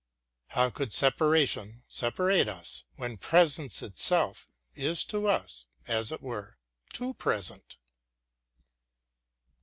How could separation separate us, when presence itself is to us, as it were, too present?